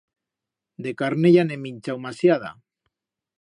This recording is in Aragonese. De carne, ya n'he minchau masiada.